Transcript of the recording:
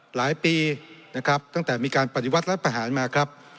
หลายปีนะครับตั้งแต่มีการปฏิวัติรัฐประหารมาครับ